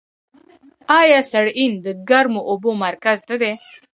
آیا سرعین د ګرمو اوبو مرکز نه دی؟